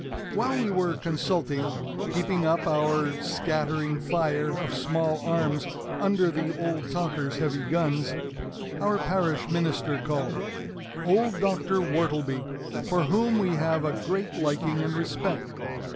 While we were consulting keeping up our scattering fire of small arms under the old talker's heavy guns our parish minister called, old Doctor Wortleby, for whom we have a great liking and respect.